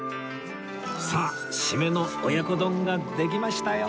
さあ締めの親子丼ができましたよ